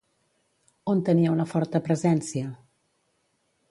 On tenia una forta presència?